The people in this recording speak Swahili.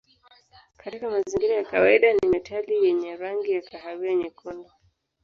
Katika mazingira ya kawaida ni metali yenye rangi ya kahawia nyekundu.